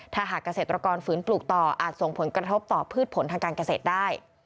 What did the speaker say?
ถ้าหากเกษตรกรฝืนปลูกต่ออาจส่งผลกระทบต่อพืชผลทางการเกษตรได้